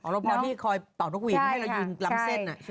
อ๋อแล้วพอพี่คอยเป่านกวีนให้เรายืนลำเส้นใช่ไหมใช่ค่ะ